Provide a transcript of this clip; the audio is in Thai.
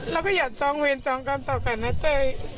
แล้วก็อย่าจองเวรจองกรรมต่อกันนะเธอ